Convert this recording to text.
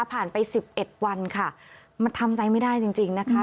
ผ่านไปสิบเอ็ดวันค่ะมันทำใจไม่ได้จริงจริงนะคะ